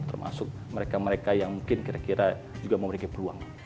termasuk mereka mereka yang mungkin kira kira juga memiliki peluang